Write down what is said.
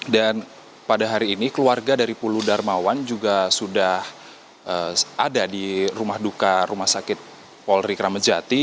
dan pada hari ini keluarga dari puluh darmawan juga sudah ada di rumah duka rumah sakit polri kramajati